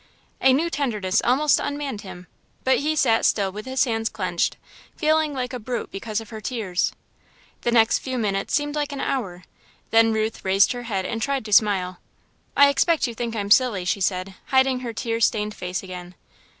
A new tenderness almost unmanned him, but he sat still with his hands clenched, feeling like a brute because of her tears. The next few minutes seemed like an hour, then Ruth raised her head and tried to smile. "I expect you think I'm silly," she said, hiding her tear stained face again.